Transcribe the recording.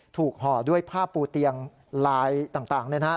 ห่อด้วยผ้าปูเตียงลายต่างเนี่ยนะครับ